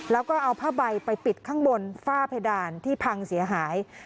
แล้วก็เอาผ้าใบไปปิดข้างบนฝ้าเพดานที่พังเสียหาย